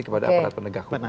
kepada aparat penegak hukum